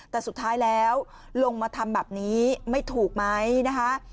แต่สุดท้ายแล้วลงมาทำแบบนี้ไม่ถูกไหมนะคะ